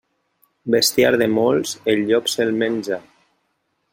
Bestiar de molts, el llop se'l menja.